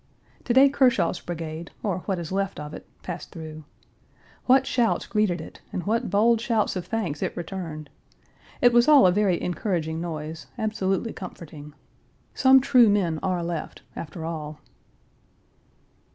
To day Kershaw's brigade, or what is left of it, passed through. What shouts greeted it and what bold shouts of thanks it returned! It was all a very encouraging noise, absolutely comforting. Some true men are left, after all.